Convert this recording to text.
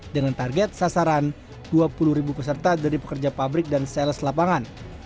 dengan target sasaran dua puluh ribu peserta dari pekerja pabrik dan sales lapangan